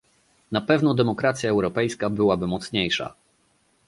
Na pewno demokracja europejska byłaby mocniejsza